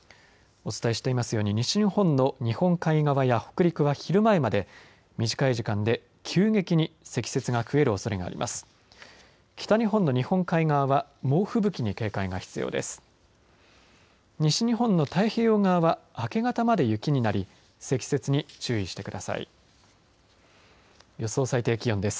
お伝えしていますように西日本の日本海側や北陸は昼前まで短い時間で急激に積雪が増えるおそれがあります。